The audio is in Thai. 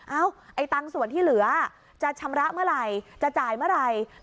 ไอ้ตังค์ส่วนที่เหลือจะชำระเมื่อไหร่จะจ่ายเมื่อไหร่